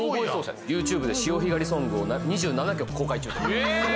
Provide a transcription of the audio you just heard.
ＹｏｕＴｕｂｅで潮干狩りソングを２７曲公開中とええー！